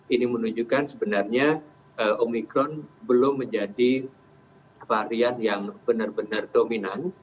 ini menunjukkan sebenarnya omikron belum menjadi varian yang benar benar dominan